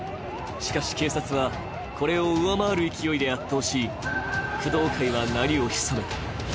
しかし、警察はこれを上回る勢いで圧倒し、工藤会はなりを潜めた。